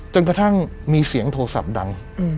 จนกระทั่งมีเสียงโทรศัพท์ดัง